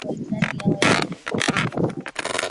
Lililojulikana kama Harakati za kujitambua kwa watu weusi